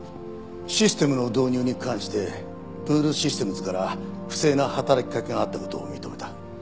システムの導入に関してブールシステムズから不正な働きかけがあった事を認めた。